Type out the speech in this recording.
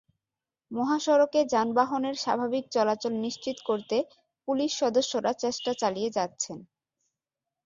মহাসড়কে যানবাহনের স্বাভাবিক চলাচল নিশ্চিত করতে পুলিশ সদস্যরা চেষ্টা চালিয়ে যাচ্ছেন।